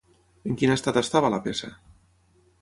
En quin estat estava la peça?